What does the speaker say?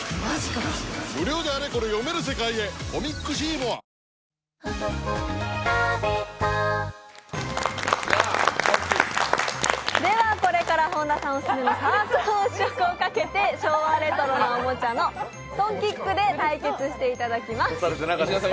ぷはーっではこれから本田さんオススメのサークロをかけて昭和レトロなおもちゃの「トンキック」で対決していただきます。